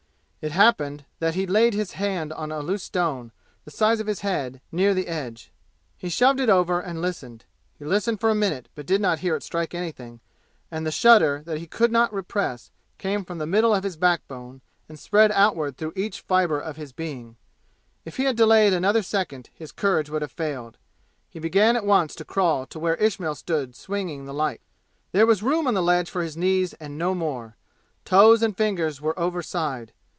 It happened that he laid his hand on a loose stone, the size of his head, near the edge. He shoved it over and listened. He listened for a minute but did not hear it strike anything, and the shudder, that he could not repress, came from the middle of his backbone and spread outward through each fiber of his being. If he had delayed another second his courage would have failed; he began at once to crawl to where Ismail stood swinging the light. There was room on the ledge for his knees and no more. Toes and fingers were overside.